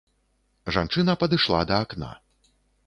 Жанчына падышла да акна.